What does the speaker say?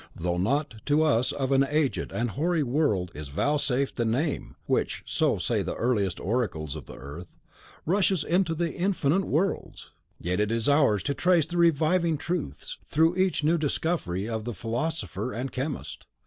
Though not to us of an aged and hoary world is vouchsafed the NAME which, so say the earliest oracles of the earth, "rushes into the infinite worlds," yet is it ours to trace the reviving truths, through each new discovery of the philosopher and chemist.